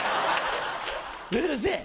うるせぇ！